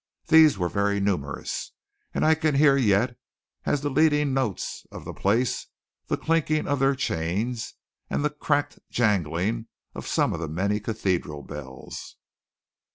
These were very numerous; and I can hear yet as the leading notes of the place, the clinking of their chains, and the cracked jangling of some of the many cathedral bells.